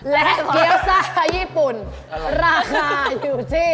และเกี้ยวซ่าญี่ปุ่นราคาอยู่ที่